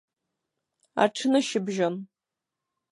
Аҽнышьыбжьон!